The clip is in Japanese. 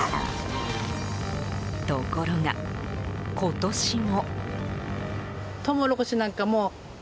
ところが、今年も。